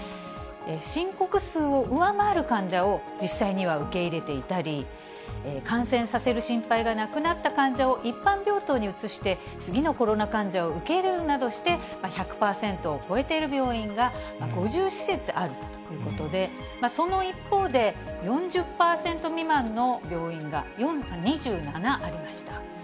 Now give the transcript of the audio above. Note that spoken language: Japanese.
申告数を上回る患者を実際には受け入れていたり、感染させる心配がなくなった患者を一般病棟に移して、次のコロナ患者を受け入れるなどして、１００％を超えている病院が５０施設あるということで、その一方で、４０％未満の病院が２７ありました。